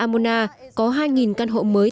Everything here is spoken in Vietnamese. và amona có hai căn hộ mới